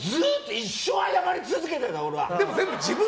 一生謝り続けてるんだ、俺は。